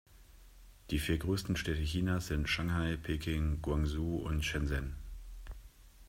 Die vier größten Städte Chinas sind Shanghai, Peking, Guangzhou und Shenzhen.